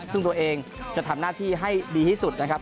ซึ่งตัวเองจะทำหน้าที่ให้ดีที่สุดนะครับ